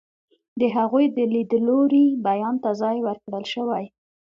د هغوی د لیدلوري بیان ته ځای ورکړل شوی.